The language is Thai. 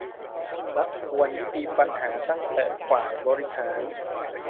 รัฐควรยุติปัญหาตั้งแต่ฝ่ายบริหาร